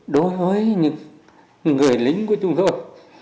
đối với những người lính của chúng tôi